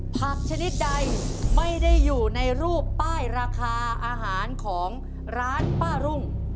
ผักชนิดใดไม่ได้อยู่ในรูปป้ายราคาอาหารของร้านป้ารุ่ง